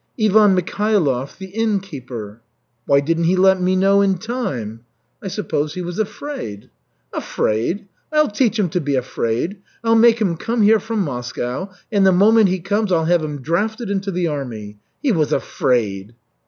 "Ivan Mikhailov, the inn keeper." "Why didn't he let me know in time?" "I suppose he was afraid." "Afraid? I'll teach him to be afraid. I'll make him come here from Moscow, and the moment he comes I'll have him drafted into the army. He was afraid!"